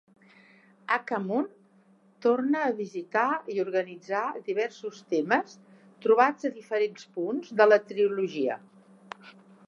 Aka Moon torna a visitar i organitzar diversos temes trobats a diferents punts de la trilogia.